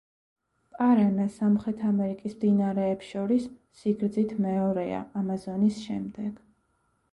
პარანა, სამხრეთ ამერიკის მდინარეებს შორის სიგრძით მეორეა ამაზონის შემდეგ.